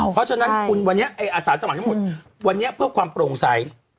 เพราะฉะนั้นคุณวันนี้อาสาสมัครทั้งหมดวันนี้เพื่อความโปร่งใส